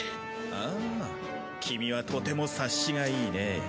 ああ君はとても察しがいいね。